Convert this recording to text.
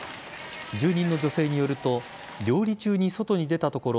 住人の女性によると料理中に外に出たところ